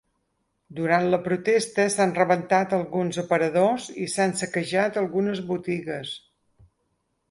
Durant la protesta s’han rebentat alguns aparadors i s’han saquejat algunes botigues.